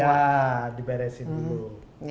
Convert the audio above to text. ya diberesin dulu